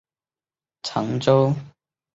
常州晋陵人。